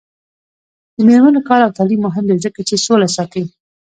د میرمنو کار او تعلیم مهم دی ځکه چې سوله ساتي.